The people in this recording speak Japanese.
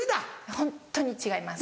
ホンットに違います。